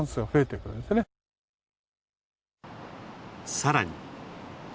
さらに。